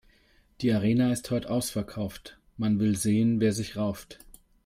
Die Arena ist heut' ausverkauft, man will sehen, wer sich rauft.